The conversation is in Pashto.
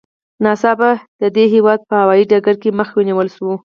ناڅاپه د دې هېواد په هوايي ډګر کې مخه ونیول شوه.